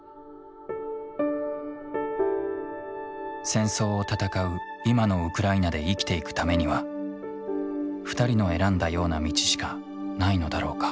戦争を戦う今のウクライナで生きていくためには２人の選んだような道しかないのだろうか。